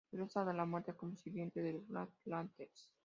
Regresa de la muerte como sirviente de los Black Lanterns.